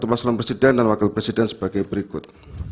paslon presiden dan wakil presiden sebagai berikut